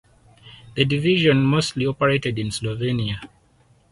The division mostly operated in Slovenia.